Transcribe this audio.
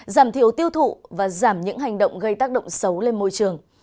giảm thiếu tiêu thụ và giảm những hành động gây tác động xấu lên môi trường